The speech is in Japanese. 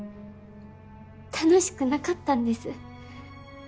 楽しくなかったんです。